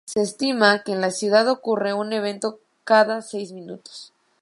Se estima que en la ciudad ocurre un evento cada seis minutos.